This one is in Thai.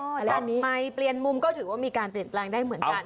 แต่ใหม่เปลี่ยนมุมก็ถือว่ามีการเปลี่ยนแปลงได้เหมือนกัน